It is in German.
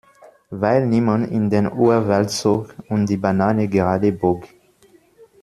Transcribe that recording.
Weil niemand in den Urwald zog und die Banane gerade bog.